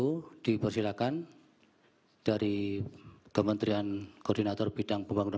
saya ingin mempersilakan dari kementerian koordinator bidang pembangunan